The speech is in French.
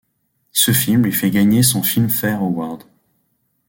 Ce film lui fait gagner son filmfare award.